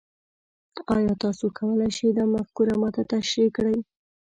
ایا تاسو کولی شئ دا مفکوره ما ته تشریح کړئ؟